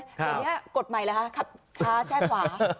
เดี๋ยวนี้กดใหม่เหรอคะขับช้าแช่ขวา